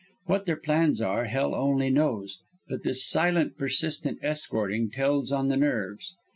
What their plans are Hell only knows, but this silent, persistent escorting tells on the nerves.